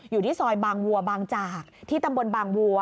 อยู่ที่ซอยบางวัวบางจากที่ตำบลบางวัว